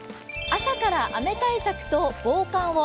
朝から雨対策と防寒を。